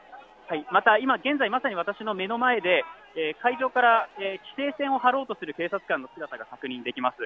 また今現在、まさに私の目の前で会場から規制線を張ろうとする警察官の姿が確認できます。